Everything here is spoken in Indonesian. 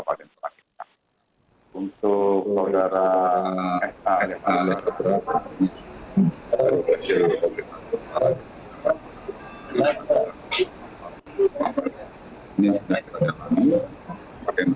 bahwa pelaku terpapar diduga terpapar paham radikal isis pak dedy